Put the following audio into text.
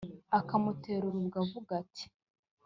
akamutera urubwa a avuga ati